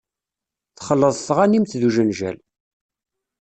Texleḍ tɣanimt d ujenjal.